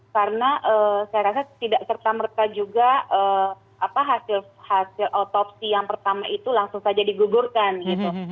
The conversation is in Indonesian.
karena saya rasa tidak serta merta juga hasil otopsi yang pertama itu langsung saja digugurkan gitu